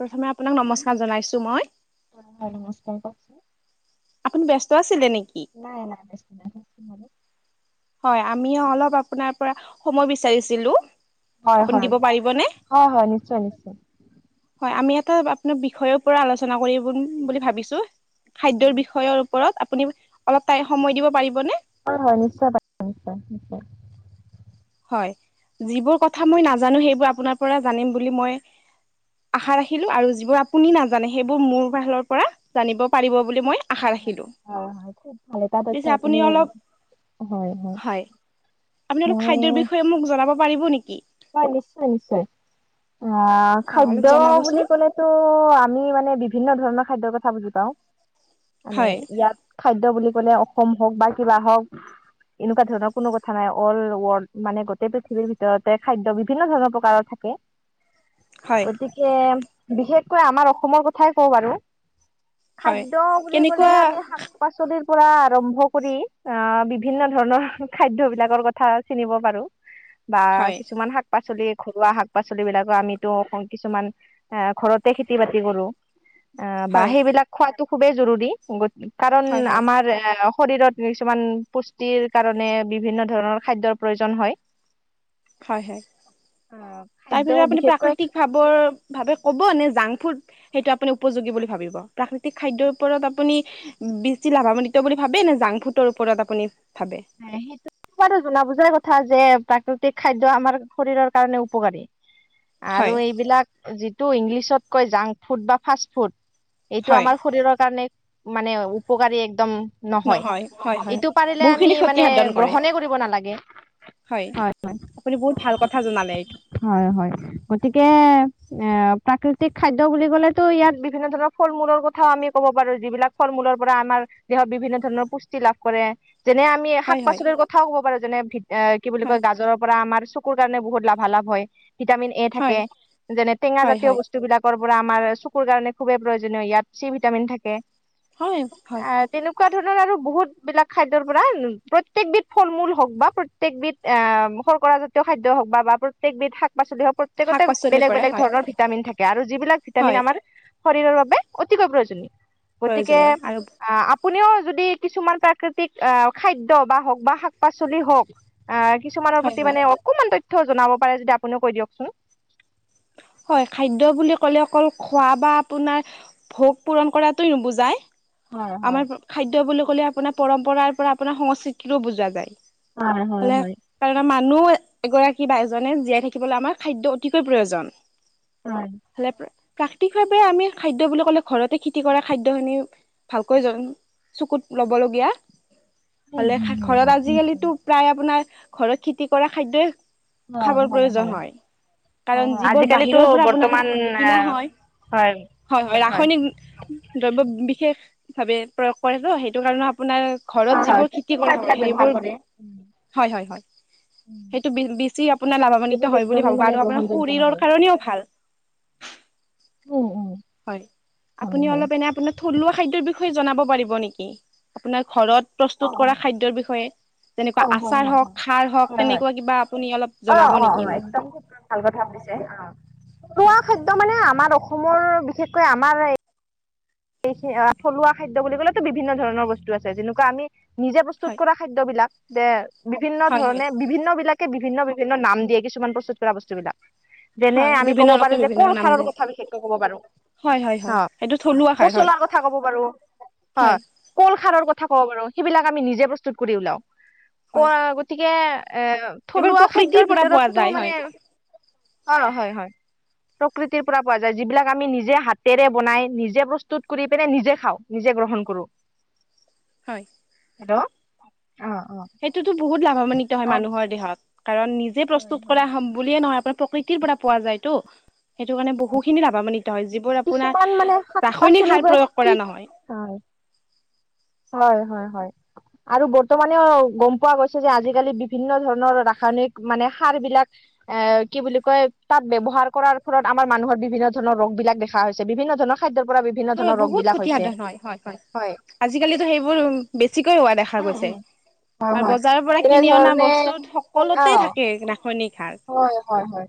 প্ৰথমে আপোনাক নমস্কাৰ জনাইছো মই। হয়-হয়, নমস্কাৰ। কওকচোন? আপুনি ব্যস্ত আছিলে নেকি? নাই-নাই [unintelligible] হয়, আমি অলপ আপোনাৰ পৰা সময় বিচাৰিছিলো? আপুনি হয়-হয়, দিব পাৰিবনে? হয়-হয় নিশ্চয়-নিশ্চয়। হয়, আমি এটা আপোনাৰ বিষয় পৰা আলোচনা কৰি বুলি ভাবিছো। খাদ্যৰ হয় বিষয়ৰ ওপৰত, আপুনি অলপ টাই-সময় দিব পাৰিবনে? হয়-হয়, নিশ্চয় [unintelligible] হয়, যিবোৰ কথা মই নাজানো সেইবোৰ আপোনাৰ পৰা জানিম বুলি মই আশা ৰাখিলো আৰু যিবোৰ আপুনি নাজানে সেইবোৰ মোৰ ফালৰ পৰা জানিব পাৰিব বুলি মই আশা হয় হয় ৰাখিলোঁ, হয় হয় খুব ভাল এটা তথ্য পিছে আপুনি অলপ হয়। আপোনালোক মই খাদ্যৰ বিষয়ে মোক জনাব পাৰিব নিকি? হয় নিশ্চয় নিশ্চয়, আহ অ খাদ্য অলপ জনাবচোন বুলি ক'লে টো আমি মানে বিভিন্ন ধৰণৰ খাদ্যৰ কথা বুজি পাও মানে হয়। ইয়াত খাদ্য বুলি ক'লে অসম হওক বা কিবা হওক এনেকুৱা ধৰণৰ কোনো কথা নাই, অল ৱৰ্ল্ড মানে গোটেই পৃথিৱীৰ ভিতৰত তে খাদ্য বিভিন্ন ধৰণৰ প্ৰকাৰৰ থাকে হয় গতি কে বিশেষকৈ আমাৰ অসমৰ কথাই কওঁ বাৰু। হয় খাদ্য বুলি ক'লে কেনেকুৱা আমি শা পাচলিৰ পৰা আৰম্ভ কৰি আহ বিভিন্ন ধৰণৰ খাদ্যবিলাকৰ কথা চিনিব পাৰো। [inaudible] বা কিছুমান শাক - পাচলি, ঘৰুৱা শাক - পাচলিবিলাকৰ আমিতো অকন কিছুমান এ, ঘৰতে খেতি - বাতি কৰো। আ বা হয় সেইবিলাক খোৱাতো খুবেই জৰুৰী গতি কাৰণ হয় হয় আমাৰ এ অ শৰীৰত কিছুমান পুষ্টিৰ কাৰণে বিভিন্ন ধৰণৰ খাদ্যৰ প্ৰয়োজন হয় হয় হয় আহ তাৰ খাদ্য ভিতৰত আপুনি বিশেষকৈ প্ৰাকৃতিক ভাৱৰ ভাৱে ক'ব নে জাংক ফুড সেইটো আপুনি উপযোগী বুলি ভাবিব? প্ৰাকৃতিক খাদ্যৰ ওপৰত আপুনি বিছি লাভাৱান্বিত বুলি ভাবে নে জাংফুডৰ ওপৰত আপুনি ভাবে? আ সেইটো [unintelligible] জনা বুজাৰ কথা যে প্ৰাকৃতিক খাদ্য আমাৰ শৰীৰৰ কাৰণে উপকাৰী। [inaudible] আৰু এইবিলাক যিটো ইংলিছত কয় জাংক ফুড বা ফাষ্ট ফুড এইটো হয় আমাৰ শৰীৰৰ কাৰণে মানে উপকাৰী একদম নহয় হয় হয় এইটো পাৰিলে আ মি বহুখিনি ক্ষতি মানে সাধন কৰে গ্ৰহনে কৰিব নালাগে, হয় আপুনি বহুত ভাল কথা জনালে এইটো হয়। হয় হয় গতিকে এ প্ৰাকৃতিক খাদ্য বুলি ক'লেতো ইয়াত বিভিন্ন ধৰণৰ ফল - মূলৰ কথাও আমি ক'ব পাৰো যিবিলাক ফল - মূলৰ পৰা আমাৰ দেহত বিভিন্ন ধৰণৰ পুষ্টি লাভ কৰে। যেনে আমি শাক হয় - হয় পাচলিৰ কথাও ক'ব পাৰো, যেনে ভীত এ কি বুলি হয় কয় গাজৰৰ পৰা আমাৰ চ কুৰ কাৰণে বহুত লাভালাভ হয়, ভিটামিন এ হয় থাকে যেনে টেঙা হয় জাতীয় হয় বস তোবিলাকৰ পৰা আমাৰ চকুৰ কাৰণে খুবেই প্ৰয়োজনীয় ইয়াত চি ভিটামিন থাকে। হয় হয় আ তেনেকুৱা ধৰণৰ আৰু বহুতবিলাক খাদ দ্যৰ পৰা ওম প্ৰত্যেকবিধ ফল মূল হওক বা প্ৰত্যেকবিধ আহ শৰ্কৰাজাতীয় খাদ্য হওক বা প্ৰ ত্যেকবিধ শাক - পাচলি হওক, শাক প্ৰত্যেকতে পাচলিৰ বেলেগ পৰাই বেলেগ হয় ধৰণৰ ভিটামিন থাকে আৰু যিবিলাক ভিটামিন হয় আমাৰ শৰীৰৰ বাবে অতিকৈ প্ৰয়োজনীয় গতিকে প্ৰয়োজনীয় আৰু আহ আপ পুনেও যদি কিছুমান প্ৰাকৃতিক আহ খাদ্য বা হওক বা শাক - পাচলি হওক আহ কিছুমানৰ হয় প্ৰতি হয় মানে অকমান তথ্যও জনাব পাৰে যেতিয়া আপুনিও কৈ দিয়কচোন? হয়, খাদ্য বুলি ক'লে অকল খোৱা বা আপোনাৰ ভোগ পূৰণ কৰাটোৱে নুবুজায় আমাৰ পা খাদ্য বুলি ক'লে আপোনাৰ পৰম্পৰাৰ পৰা আপোনাৰ সংস্কৃতিৰো বুজোৱা যায়। হয় হয় হয়। কাৰনে মানুহ এগৰাকী বা এজনে জীয়াই থাকিবলৈ আমাৰ খাদ্য অতিকৈ প্ৰয়োজন। হয়। হলে প্ৰা প্ৰাকৃতিকভাৱে আমি খাদ্য বুলি ক'লে ঘৰতে খেতি কৰা খাদ্যখিনি ভালকৈ চকুত ল'বলগীয়া হ'লে হয় হয় ঘৰত নিশ্চয় আজিকালিতো প্ৰায় আপোনাৰ ঘৰত খেতি কৰা খাদ্যই খাবৰ প্ৰয়োজন হয় কাৰণ যিবোৰ আজিকালিতো বাহিৰৰ পৰা বৰ্তমান আপোনালোকে কিনা আহ হয় হয়। হয় হয় ৰাসায়নিক দ্ৰব্য বিশেষ ভাৱে প্ৰয়োগ কৰে তো সেইটো কাৰণে আপোনাৰ ঘৰত হয় যিবোৰ খেতি কৰা হয়, সেইবোৰ, হয়, হয়, হয়। সেইটো বেছি আপোনাৰ সেইবোৰ লাভান্বিত হয় বুলি একদমেই ভাবো, মানে আৰু আপোনাৰ গ্ৰহণযোগ্য নহয়। শৰীৰৰ কাৰণেও ভাল। উম উম হয়, হয় আপুনি হয়। অলপ এনে আপোনাৰ থলুৱা খাদ্যৰ টো জনাব পাৰিব নেকি? আপোনাৰ ঘৰত প্ৰস্তুত কৰা খাদ্যৰ বিষয়ে। যেনেকুৱা অ' হয় আচাৰ হওঁক, নহয় খাৰ হওঁক, তেনেকুৱা কিবা আপুনি অলপ অ' জনাব অ' নেকি অ' মোক? একদম খুব ভাল কথা সুধিছে, হয় খোৱা খাদ্য মানে আমাৰ অসমৰ বিশেষকৈ আমাৰ এইখিনি, থলুৱা খাদ্য বুলি কলেতো বিভিন্ন ধৰণৰ বস্তু আছে, যেনেকুৱা আমি নিজে হয় প্ৰস্তুত কৰা খাদ্যবিলাক। দে বিভিন্ন হয় হয় ধৰণে, বিভিন্ন বিলাকে বিভিন্ন বিভিন্ন নাম দিয়ে, কিছুমান প্ৰস্তুত কৰা বস্তু বিলাক। যেনে হয় আমি ক'ব বিভিন্ন লোকে পাৰো যে, বিভিন্ন কল নাম খাৰৰ দিয়া যায় কথা বিশেষকৈ কব পাৰো, হয় হয় হয় অহ। সেইটো থলুৱা সাৰ হয় পচলাৰ কথা ক'ব পাৰো, হয়। কলখাৰৰ কথা ক'ব পাৰোঁ, সেইবিলাক আমি নিজেই প্ৰস্তুত কৰি ওলাও। হয় ক গতিকে এ এইবোৰ থলুৱা প্ৰকৃতিৰ খাদ্যৰ পৰা পোৱা ভিতৰতটো যায় হয় মানে, অ', হয় হয়। প্ৰকৃতিৰ পৰা পোৱা যায়, যিবিলাক আমি নিজে হাতেৰে বনাই নিজ নিজে প্ৰস্তুত কৰি পিনে, নিজে খাওঁ, নিজে গ্ৰহণ কৰো। হয়। হেল্ল' অ' অ' সেইটোতো বহুত লাভান্বিত হয় মানুহৰ তাৰপিছত দেহত কাৰণ নিজে হয় প্ৰস্তুত কৰা বুলিয়ে নহয় আপোনাৰ প্ৰকৃতিৰ পৰা পোৱা যায়তো সেইটো কাৰণে বহু খিনি লাভান্বিত হয় বোৰ আপোনাৰ, কিছুমান মানে শাক ৰাসায়নিক পাচলিৰ সাৰ পৰা প্ৰয়োগ কি কৰা নহয়। হয়। হয়, হয়, হয়। আৰু বৰ্তমানেও গম পোৱা গৈছে যে, আজিকালি বিভিন্ন ধৰণৰ ৰাসায়নিক মানে সাৰ বিলাক এ কি বুলি কয়, তাত ব্যৱহাৰ কৰাৰ ফলত আমাৰ মানুহৰ বিভিন্ন ধৰণৰ ৰোগ বিলাক দেখা হৈছে, বিভিন্ন ধৰণৰ খাদ্যৰ পৰা বিভিন্ন হয় ধৰণৰ ৰোগ বহুত বিলাক ক্ষতি হৈছে, সাধন হয় হয় হয়। আজিকালিতো সেইবোৰ বেছিকৈ হোৱা দেখা দেখা গৈছে, হয় আৰু হয়। বজাৰৰ পৰা কিনি অনা তেনেধৰণে বস্তুত সকলোতেই অ'। থাকে এইবিলাক ৰাসায়নিক সাৰ। হয়, হয়, হয়।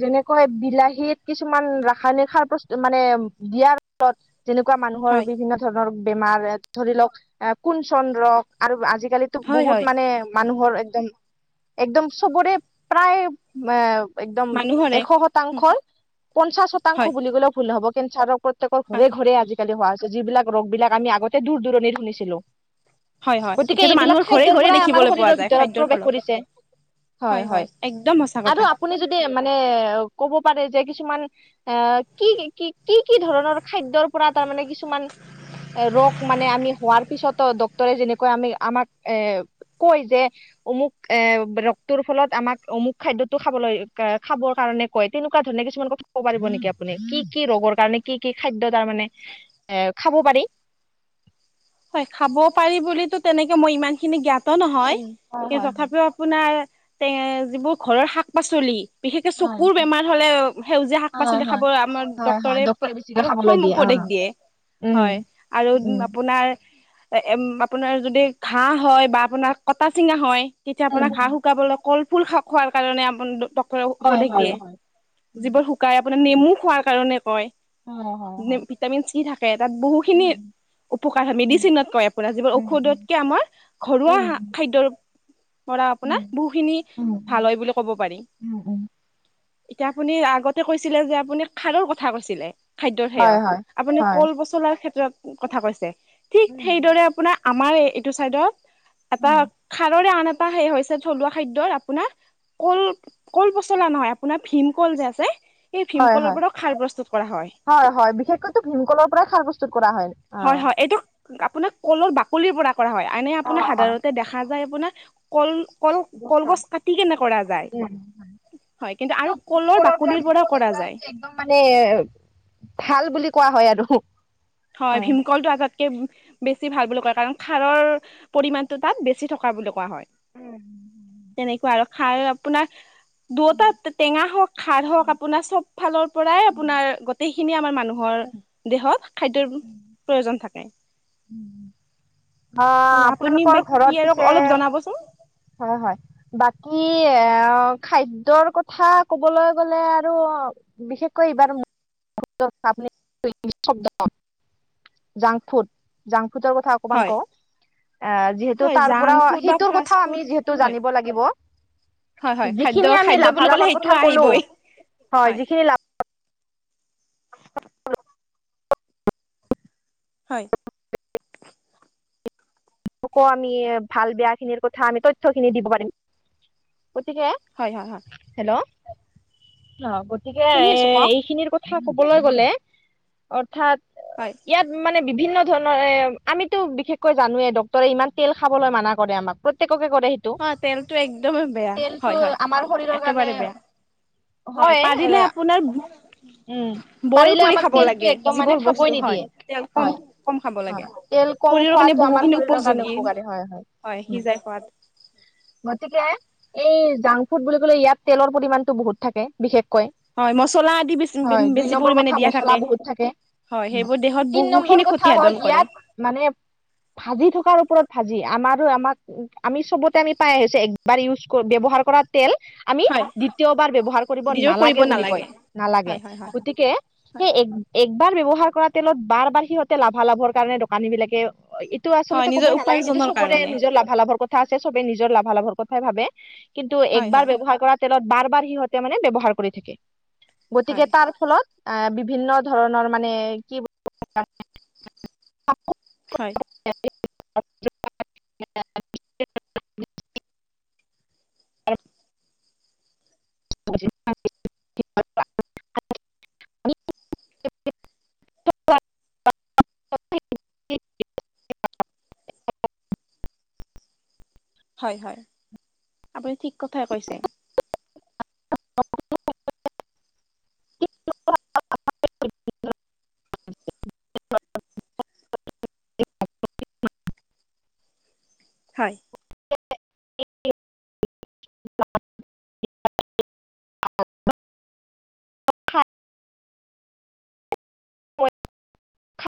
যেনেকৈ বিলাহীত কিছুমান ৰাসায়নিক সাৰ প্ৰস্তু মানে দিয়াৰ তত যেনেকুৱা মানুহৰ হয় বিভিন্ন ধৰণৰ বেমাৰ, ধৰি লওক কুঞ্চদ্ৰ' আৰু আজিকালি ত হয় হয় বহুত মানে মানুহৰ একদম, একদম চবৰে প্ৰায় মা একদম মানুহৰে এশ উম, শতাংশই পঞ্চাশ শতাংশ হয় বুলি ক'লেও ভুল নহব, কেঞ্চাৰৰ প্ৰত্যেকৰ হয় ঘৰে ঘৰে আজিকালি হোৱা হৈছে, যিবিলাক ৰোগ বিলাক আমি আগতে দূৰ দূৰণিত শুনিছিলো। হয় হয় গতিকে এতিয়াতো এইবিলাক মানুহৰ ঘৰে খাদ্যৰ ঘৰে পৰাই আমাৰ দেখিবলৈ পোৱা শৰীৰৰ যায় ভিতৰত খাদ্যৰ প্ৰৱেশ ফলত কৰিছে, হয় হয়। একদম সঁচা। আৰু কথা আপুনি যদি মানে ক'ব পাৰে যে, কিছুমান অহ, কি কি, কি কি ধৰণৰ খাদ্যৰ পৰা তাৰমানে কিছুমান ৰোগ মানে আমি হোৱাৰ পিছতো, ডক্তৰে যেনেকৈ আমি আমাক এ কয় যে, অমুক এ ৰোগটোৰ ফলত আমাক অমুক খাদ্যটো খাবলৈ খাবৰ কাৰণে কয়, তেনেকুৱা ধৰণে কিছুমান কথা ক'ব পাৰিব নেকি আপুনি? কি কি ৰোগৰ কাৰণে কি কি খাদ্য তাৰ মানে এ খাব পাৰি? হয়, খাব পাৰি বুলিটো তেনেকে মই ইমান খিনি জ্ঞাত ত নহয়, হয় কিন্তু হয় তথাপিও আপোনাৰ তে যিবোৰ ঘৰৰ শাক পাচলি বিশেষকৈ হয় চকুৰ বেমাৰ হ'লে, সেউজীয়া শাক হয় পাচলি হয় খাব আমাৰ হয় হয় ডক্তৰে বেছিকে খাবলৈ প্ৰথম অ উপদেশ দিয়ে, উম হয়, আৰু উম আপোনাৰ এ আপোনাৰ যদি ঘাঁ হয় বা আপোনাৰ কটা চিঙা হয়। তেতিয়া আপোনাৰ উম ঘাঁ শুকাবলৈ কল ফুল খা খোৱাৰ কাৰণে আপোনাৰ ডক্তৰে হয় উপদেশ হয় দিয়ে। হয় যিবোৰ শুকাই, আপোনাৰ নেমু খোৱাৰ কাৰণে কয় হয় হয় নেম হয় ভিটামিন চি থাকে, তাত বহুখিনি উম উপ মেডিচিনকৈ আপোনাৰ, ঔষধতকৈ আমাৰ ঘৰুৱা উম হা খাদ্যৰ আৰু উম আপোনাৰ, বহুখিনি উম উম ভাল হয় বুলি ক'ব পাৰি। উম উম এতিয়া আপুনি আগতে কৈছিলে যে, আপুনি খাৰৰ কথা কৈছিলে। খাদ্যৰ হয় সেয়ত হয় আপুনি হয় কল-পচলাৰ ক্ষেত্ৰত কথা কৈছে। ঠিক উম সেইদৰে আপোনাৰ, আমাৰ এইটো চাইডৰ এটা উম খাৰৰে আন এটা সেই হৈছে, থলুৱা খাদ্যৰ আপোনাৰ। কল, কল-পচলা নহয়, আপোনাৰ ভীমকল যে আছে- এই হয় হয় ভীমকলৰ পৰাও খাৰ প্ৰস্তুত কৰা হয়। হয় হয়। বিশেষকৈতো ভীমকলৰ পৰাই খাৰ প্ৰস্তুত কৰা হয়। হয় আহ হয়। এইটো আপোনাৰ কলৰ বাকলিৰ পৰা কৰা হয়। এনে আপোনাৰ সাধাৰণতে দেখা যায় আপোনাৰ- কল, কল, কলগছ কাটি কেনে কৰা যায়। ভীমকলৰ হয়। কিন্তু আৰু কলৰ বাকলিৰ পৰাও কৰা যায়। একদম মানে, ভাল বুলি কোৱা হয় আৰু। হয়, ভীমকলটো আটাত কে বেছি ভাল বুলি কয় কাৰণ খাৰৰ পৰিমাণটো তাত বেছি থকা বুলি কোৱা হয়। তেনেকুৱা আৰু, খাৰ আপোনাক দুয়টাত টেঙা হওক খাৰ হওক, আপোনাৰ চব ফালৰ পৰাই আপোনাৰ গোটেই খিনি আমাৰ মানুহ হৰ দেহত খাদ্যৰ প্ৰয়োজন থাকে। হ'ব অ', আপুনি বা আপোনালোকৰ কি ঘৰত আৰু পিছে অলপ জনাবচোন হয় হয়। বাকী, এ' খাদ্যৰ কথা কবলৈ গ'লে আৰু‌ অ' বিশেষকৈ এইবাৰ [unintelligible] জাংক ফুত। জাংক ফুতৰ কথা অকমান হয় কওঁ। আ' যিহেতু হয় তাৰ জাংক পৰাও, ফুড বা সেইটোৰ ফাষ্ট কথাও ফুড আমি যিহেতু হয় জানিব লাগিব- হয় হয় খাদ্য যিখিনি আমি খাদ্য বুলি ক'লে লাভালাভৰ সেইটো কথা ক'লোঁ, আহিবই হয়। যিখিনি লভ হয়। ক আমি ভাল-বেয়াখিনিৰ কথা আমি, তথ্যখিনি দিব পাৰিম। গতিকে হয় হয় হয়। হেল্ল'। অহ, গতিকে শুনি আছো এ' কওক এইখিনিৰ কথ থা, কবলৈ গ'লে, অৰ্থাৎ হয়। ইয়াত মানে বিভিন্ন ধৰণৰ এই, আমিতো বিশেষকৈ জানোৱে ডক ত' ইমান তেল খাবলৈ মানা কৰে আমাক। প্ৰত্যেককে কৰে সে অহ, তেলটো একদমে বেয়া। হয় হয়, আমাৰ শৰীৰৰ কাৰণে একেবাৰে বেয়া। হয়, পাৰিলে আপোনাৰ বো উম বইল পাৰিলে কৰি আমাক খাব তেলটো লাগে, একদম মানে যিবোৰ খাবই বস্তু নিদিয়ে হয়। তেল কম, হয় কম খাব হয় লাগে। তেল কম শৰীৰৰ কাৰণে খোৱাটো আমাৰ বহুখিনি শৰীৰৰ কাৰণে উপযোগী উপকাৰী। হয় হয়। উম। সিজাই খোৱাত গতিকে-। এই জাংক ফুড বুলি ক'লে, ইয়াত তেলৰ পৰিমণটো বহুত থাকে বিশেষকৈ। হয় মছলা আদি বেছি হয়, দুই বেছি নম্বৰ পৰিমাণে কথা- দিয়া মচলা থাকে বহুত থাকে। হয় উম, সেইবোৰ দেহত তিন বহুখিনি নম্বৰ ক্ষতি কথা সাধন কৰে হ'ল-ইয়াত মানে -। ভাজি থকাৰ ওপৰত ভাজি। আমাৰো আমাক-। উম, আমি চবতে আমি পাই আহিছোঁ। একবাৰ ইউজ, ব্যৱহাৰ কৰাত-। তেল আমি হয় দ্বিতীয়বাৰ ব্যৱহাৰ কৰিব নালাগে বুলি কয়। নালাগে। হয় হয় হয় গতিকে-। হয় সেই এক একবাৰ ব্যৱহাৰ কৰা তেলত বাৰ বাৰ সিহঁতে, লাভালাভৰ কাৰণে দোকানীবিলাকে-। টো হয় আচলতে ক'ব নিজৰ নালাগে। কিন্তু উপাৰ্জনৰ চবৰে কাৰণে নিজৰ লাভালাভৰ কথা আছে, চবে নিজৰ লাভালাভৰ কথাই ভাবে। কিন্তু হয় একবাৰ হয় ব্যৱহাৰ কৰা তেলত বাৰ বাৰ, সিহঁতে মানে ব্যৱহাৰ কৰি থাকে। গতিকে হয় তাৰ ফলত আ' বিভিন্ন ধৰণৰ মানে কি-। [unintelligible] [unintelligible] হয়। [unintelligible] [unintelligible] [unintelligible] [unintelligible] [unintelligible] [inaudible] [unintelligible] [unintelligible] [unintelligible] [unintelligible] [unintelligible] [unintelligible] [unintelligible] [unintelligible] [unintelligible] [unintelligible] [unintelligible] [inaudible] হয় হয়। আপুনি ঠিক কথাই কৈছে। অ [unintelligible] [unintelligible] হয়। এক [unintelligible] ম [unintelligible]